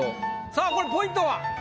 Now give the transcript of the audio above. さあこれポイントは？